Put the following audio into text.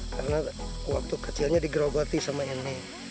karena waktu kecilnya digeroboti sama ini